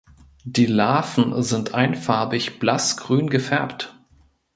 Die Larven sind einfarbig blassgrün gefärbt.